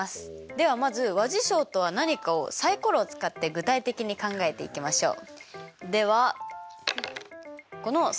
ではまず和事象とは何かをサイコロを使って具体的に考えていきましょう。